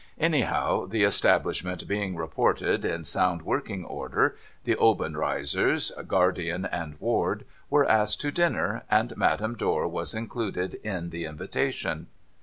Anyhow, the establishment being reported in sound working order, the Obenreizers, Guardian and Ward, were asked to dinner, and Madame Dor was included in the invitation.